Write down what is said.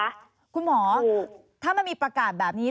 คุณหมอถ้ามันมีประกาศแบบนี้